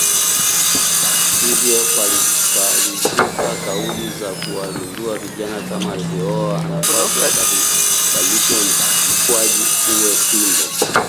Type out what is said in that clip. Hivyo palizuka kauli za kuwazindua vijana kama: Aliyeoa anapaswa abadilishe mkwaju uwe fimbo